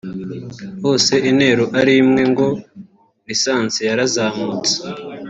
hose intero ari imwe ngo “lisansi yarazamutse”